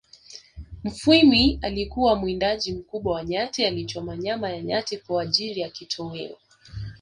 Mufwimi alikuwa mwindaji mkubwa wa nyati alichoma nyama ya nyati kwa ajiri ya kitoeo